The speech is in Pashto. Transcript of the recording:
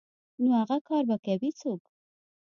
نو اغه کار به کوي څوک.